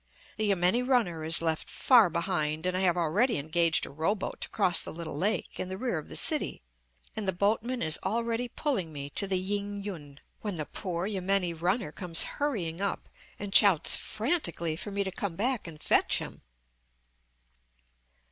The yameni runner is left far behind, and I have already engaged a row boat to cross the little lake in the rear of the city, and the boatman is already pulling me to the "Ying yun," when the poor yameni runner comes hurrying up and shouts frantically for me to come back and fetch him.